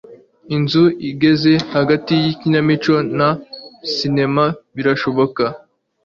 Inzu igeze hagati yikinamico na sinema birashoboka